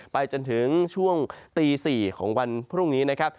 ไปจนถึงช่วงตี๔ของวันพรุ่งนี้นะครับ